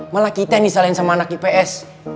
malah kita yang disalahin sama anak ips